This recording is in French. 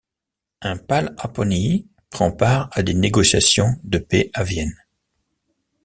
Un Pál Apponyi prend part à des négociations de paix à Vienne.